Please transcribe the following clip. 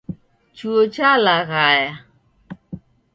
Chuo chalaghaya.